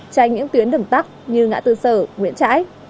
tranh những tuyến đường tắc như ngã tư sở nguyện trãi